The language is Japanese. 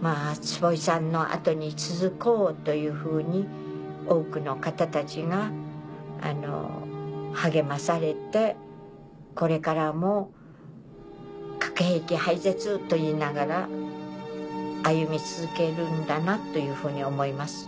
まぁ坪井さんの後に続こうというふうに多くの方たちが励まされてこれからも核兵器廃絶と言いながら歩み続けるんだなというふうに思います。